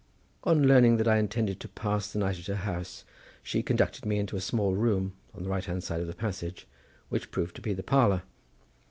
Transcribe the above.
On learning that I intended to pass the night at her house, she conducted me into a small room on the right hand side of the passage, which proved to be the parlour.